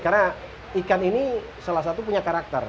karena ikan ini salah satu punya karakter